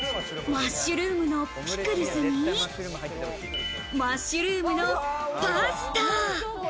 マッシュルームのピクルスに、マッシュルームのパスタ。